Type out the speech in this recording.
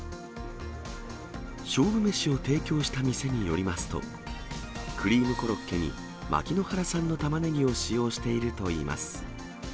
勝負メシを提供した店によりますと、クリームコロッケに牧之原産のタマネギを使用しているといいます。